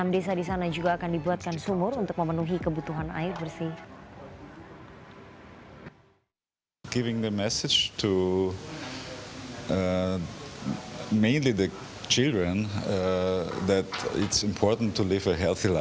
enam desa di sana juga akan dibuatkan sumur untuk memenuhi kebutuhan air bersih